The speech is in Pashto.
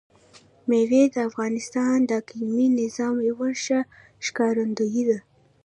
مېوې د افغانستان د اقلیمي نظام یوه ښه ښکارندوی ده.